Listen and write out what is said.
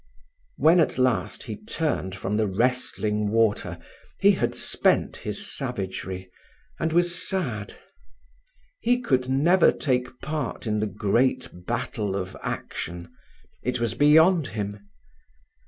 When at last he turned from the wrestling water, he had spent his savagery, and was sad. He could never take part in the great battle of action. It was beyond him.